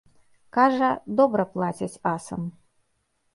Кажа, добра плацяць асам.